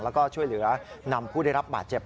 แล้วก็ช่วยเหลือนำผู้ได้รับบาดเจ็บ